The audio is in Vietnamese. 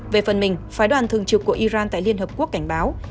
về phần mình phái đoàn thường trực của iran tại liên hợp quốc cảnh báo